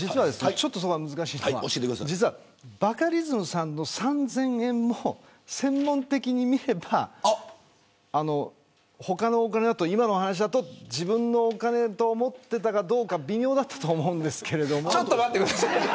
難しいところがバカリズムさんの３０００円も専門的に見れば今の話だと自分のお金と思っていたかどうか微妙だったと思うんです。